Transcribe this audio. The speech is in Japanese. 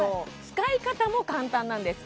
使い方も簡単なんです